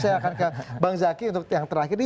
saya akan ke bang zaki untuk yang terakhir